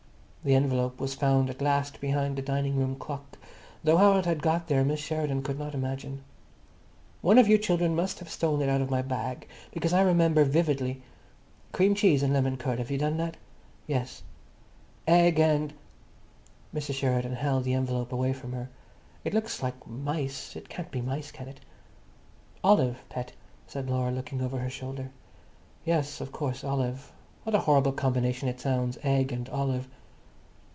The envelope was found at last behind the dining room clock, though how it had got there Mrs. Sheridan could not imagine. "One of you children must have stolen it out of my bag, because I remember vividly—cream cheese and lemon curd. Have you done that?" "Yes." "Egg and—" Mrs. Sheridan held the envelope away from her. "It looks like mice. It can't be mice, can it?" "Olive, pet," said Laura, looking over her shoulder. "Yes, of course, olive. What a horrible combination it sounds. Egg and olive."